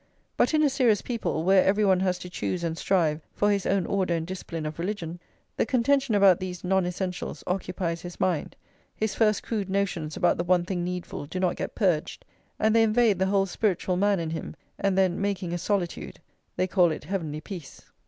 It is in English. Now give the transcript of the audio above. But, in a serious people, where every one has to choose and strive for his own order and discipline of religion, the contention about these non essentials occupies his mind, his first crude notions about the one thing needful do not get purged, and they invade the whole spiritual man in him, and then, making a solitude, they call it heavenly peace.